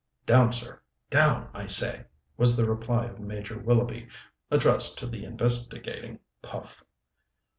"Down, sir, down, I say!" was the reply of Major Willoughby, addressed to the investigating Puff.